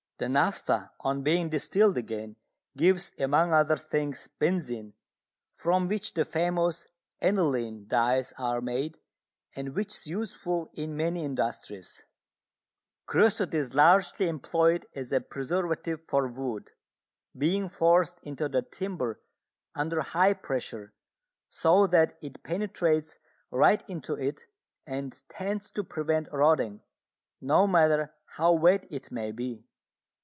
The naphtha, on being distilled again, gives, among other things, benzine, from which the famous aniline dyes are made, and which is useful in many industries. Creosote is largely employed as a preservative for wood, being forced into the timber under high pressure, so that it penetrates right into it and tends to prevent rotting, no matter how wet it may be.